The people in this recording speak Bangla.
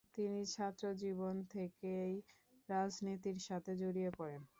তিনি ছাত্রজীবন থেকেই রাজনীতির সাথে জড়িয়ে পড়েন।